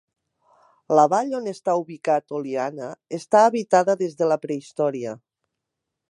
La vall on està ubicat Oliana està habitada des de la prehistòria.